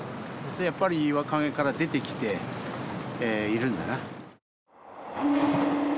やっぱり岩陰から出てきているんだな。